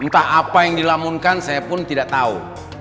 saya pun tidak tahu